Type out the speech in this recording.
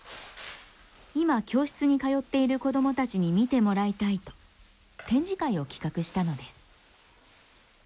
今教室に通っている子どもたちに見てもらいたいと展示会を企画したのです。